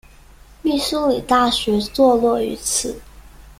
密苏里大学坐落于此。